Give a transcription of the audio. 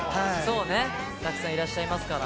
たくさんいらっしゃいますから。